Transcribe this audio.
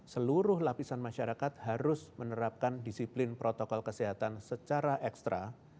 seluruh lapisan masyarakat harus menerapkan disiplin protokol kesehatan secara ekstra